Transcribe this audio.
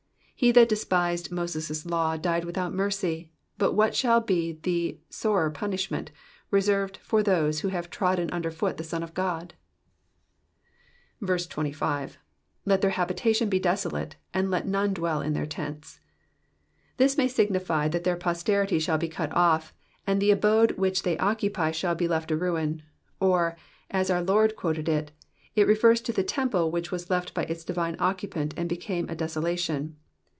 He that despised Moses' law died without mercy, but what shall be the sorer punishment" reserved for those who have trodden under foot the Son of God ? 25. *'X^ their habitation be desolate; and let none dioell in their tents.'''* This may signify that their posterity shall be cut off, and the abode which they occupy shall be left a ruin ; or, as our Lord quoted it. it refers to the temple, which was left by its divine occupant and became a desolation.